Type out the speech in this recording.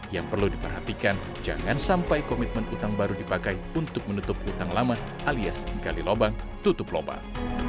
yang perlu diperhatikan jangan sampai komitmen utang baru dipakai untuk menutup utang lama alias kali lobang tutup lobang